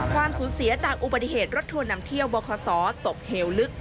ความสูญเสียจากอุบัติเหตุรถทัวร์นำเที่ยวบคศตกเหวลึก